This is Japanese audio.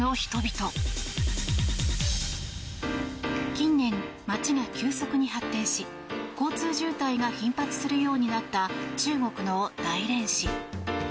近年、街が急速に発展し交通渋滞が頻発するようになった中国の大連市。